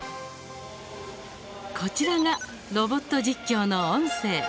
こちらが、ロボット実況の音声。